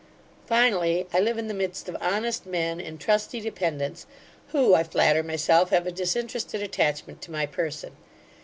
Finally, I live in the midst of honest men, and trusty dependents, who, I flatter myself, have a disinterested attachment to my person.